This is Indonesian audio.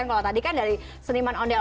terus satu lagi vokalis ceweknya zizi sahab